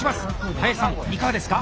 林さんいかがですか？